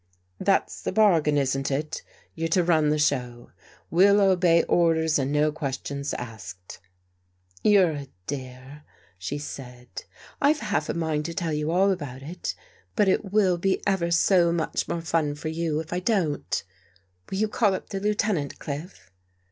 " That's the bargain, isn't it? You're to run the show. We'll obey orders and no questions asked." IT2 FIGHTING THE DEVIL WITH FIRE You're a dear," she said. " IVe half a mind to tell you all about it. But it will be ever so much more fun for you, if I don't Will you call up the Lieutenant, Cliff?"